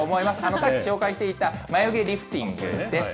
さっき紹介していたまゆげリフティングです。